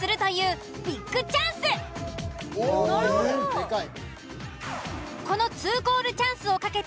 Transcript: でかい。